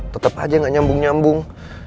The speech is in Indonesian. tetap aja gak nyambung nyambung